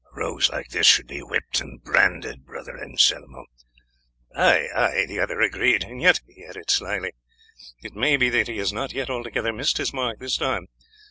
"Rogues like this should be whipped and branded, Brother Anselmo." "Ay, ay," the other agreed: "and yet," he added slyly, "it may be that he has not altogether missed his mark this time.